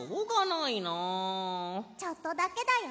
ちょっとだけだよ。